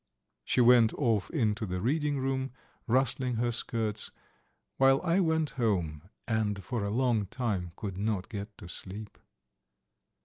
She went off into the reading room, rustling her skirts, while I went home, and for a long time could not get to sleep.